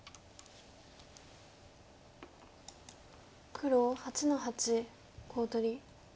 黒８の八コウ取り。